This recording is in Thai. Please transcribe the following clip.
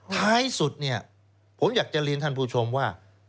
ท้ายสุดเนี่ยผมอยากจะเรียนท่านผู้ชมว่า